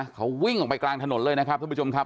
เขาวิ่งออกไปกลางถนนเลยนะครับท่านผู้ชมครับ